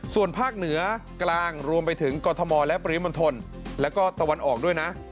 ส่วนภาคเหนือกลางรวมไปถึงกรทมและปริมณฑลแล้วก็ตะวันออกด้วยนะ